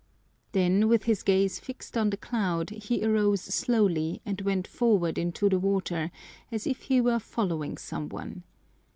Then with his gaze fixed on the cloud he arose slowly and went forward into the water as if he were following some one.